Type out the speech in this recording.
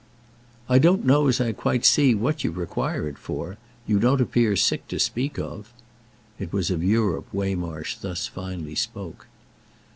"I don't know as I quite see what you require it for. You don't appear sick to speak of." It was of Europe Waymarsh thus finally spoke.